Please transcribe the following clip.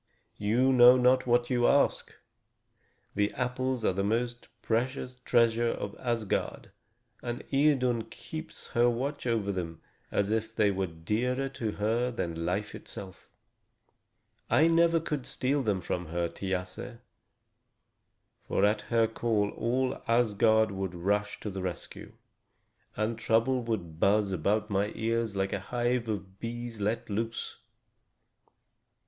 "You know not what you ask! The apples are the most precious treasure of Asgard, and Idun keeps watch over them as if they were dearer to her than life itself. I never could steal them from her, Thiasse; for at her call all Asgard would rush to the rescue, and trouble would buzz about my ears like a hive of bees let loose."